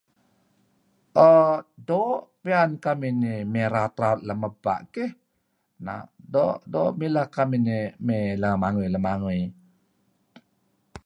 Doo' piyan kamih nih raut lem bpa' keyh. Na' doo' leh kamih may mileh lemangui-lemangui.